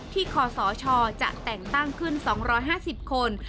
คศจะแต่งตั้งขึ้น๒๕๐คน